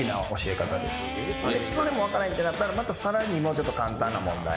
それでもわからへんってなったらまた更にもうちょっと簡単な問題。